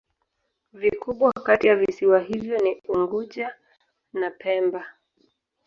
Vikubwa kati ya visiwa hivyo ni Unguja na Pemba.